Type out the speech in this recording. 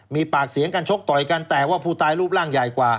มีปากเสียงกันชกต่อยกันแต่ว่าผู้ตายรูปร่างใหญ่กว่า